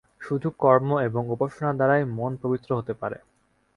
শুধু কর্ম এবং উপাসনার দ্বারাই মন পবিত্র হতে পারে।